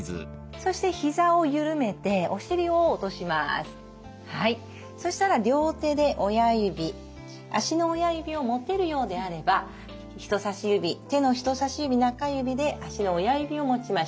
そしたら両手で親指足の親指を持てるようであれば人さし指手の人さし指中指で足の親指を持ちましょう。